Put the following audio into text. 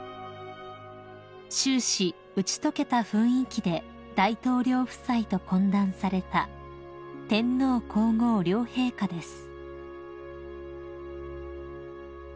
［終始打ち解けた雰囲気で大統領夫妻と懇談された天皇皇后両陛下です］